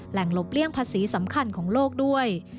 หลบเลี่ยงภาษีสำคัญของโลกด้วย